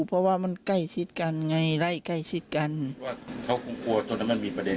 เพราะว่ามันใกล้ชิดกันไงไล่ใกล้ชิดกันว่าเขาคงกลัวตอนนั้นมันมีประเด็น